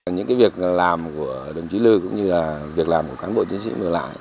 những việc làm của đồng chí lư cũng như là việc làm của cán bộ chiến sĩ mở lại